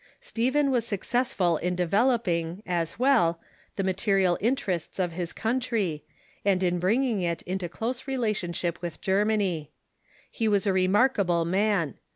Stephen was suc cessful in developing, as well, the material interests of his country, and in bringing it into close relationship with Ger many. He was a remarkable man.